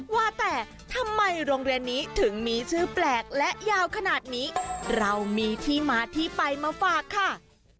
ว่าแต่ทำไมโรงเรียนนี้ถึงมีชื่อแปลกและยาวขนาดนี้เรามีที่มาที่ไปมาฝากค่ะ